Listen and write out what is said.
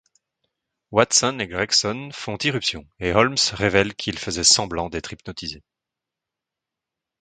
Watson et Gregson font irruption et Holmes révèle qu'il faisait semblant d'être hypnotisé.